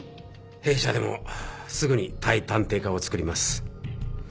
弊社でもすぐに対探偵課をつくります。